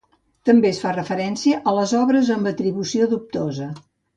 També es fa referència a les obres amb atribució dubtosa.